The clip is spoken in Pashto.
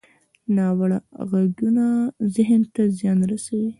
ناوړه غږونه ذهن ته زیان رسوي